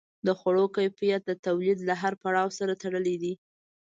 د خوړو کیفیت د تولید له هر پړاو سره تړلی دی.